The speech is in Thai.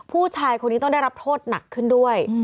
ผู้ชายคนนี้ต้องได้รับโทษหนักขึ้นด้วย